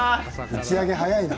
打ち上げ早いな。